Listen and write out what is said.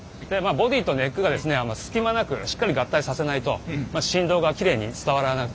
ボディーとネックがですね隙間なくしっかり合体させないと振動がきれいに伝わらなくてですね。